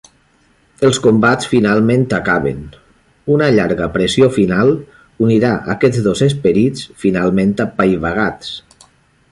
Els combats finalment acaben, una llarga pressió final unirà aquests dos esperits finalment apaivagats.